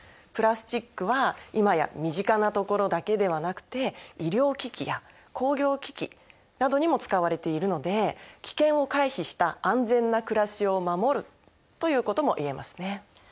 プラスチックは今や身近なところだけではなくて医療機器や工業機器などにも使われているので危険を回避した安全なくらしを守るということも言えますね。